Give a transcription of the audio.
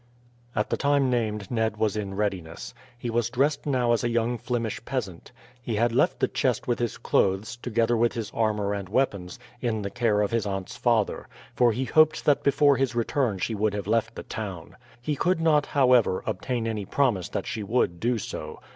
At the time named Ned was in readiness. He was dressed now as a young Flemish peasant. He had left the chest with his clothes, together with his armour and weapons, in the care of his aunt's father, for he hoped that before his return she would have left the town. He could not, however, obtain any promise that she would do so.